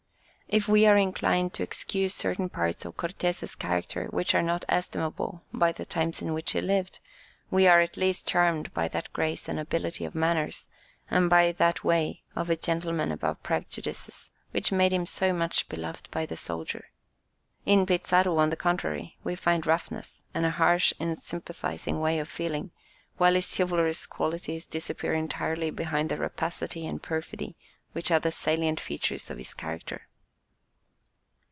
If we are inclined to excuse certain parts of Cortès' character which are not estimable, by the times in which he lived, we are at least charmed by that grace and nobility of manners, and by that way of a gentleman above prejudices, which made him so much beloved by the soldier. In Pizarro, on the contrary, we find roughness, and a harsh, unsympathizing way of feeling, while his chivalrous qualities disappear entirely behind the rapacity and perfidy which are the salient features of his character.